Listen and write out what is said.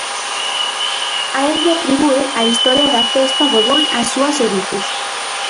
A el lle atribúe a historia da festa do boi as súas orixes.